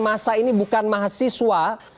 masa ini bukan mahasiswa